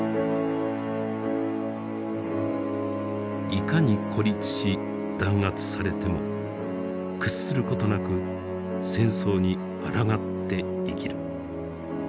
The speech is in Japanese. いかに孤立し弾圧されても屈することなく戦争に抗って生きる。